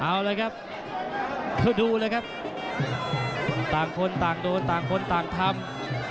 เอาเลยครับเธอดูเลยครับต่างคนต่างโดนต่างคนต่างทำ